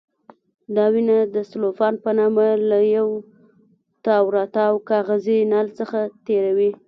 دا وینه د سلوفان په نامه له یو تاوراتاو کاغذي نل څخه تېروي.